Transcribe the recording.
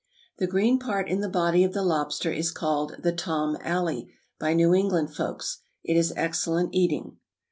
The green part in the body of the lobster is called the tom alley by New England folks. It is excellent eating.